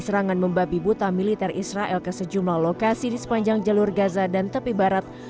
serangan membabi buta militer israel ke sejumlah lokasi di sepanjang jalur gaza dan tepi barat